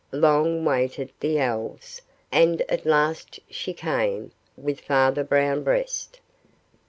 Long waited the Elves, and at last she came with Father Brown Breast.